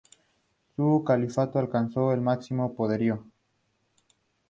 Su califato alcanzó el máximo poderío.